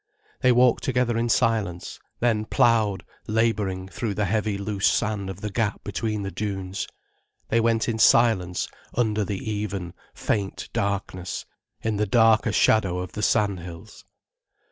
They walked together in silence, then ploughed, labouring, through the heavy loose sand of the gap between the dunes. They went in silence under the even, faint darkness, in the darker shadow of the sandhills.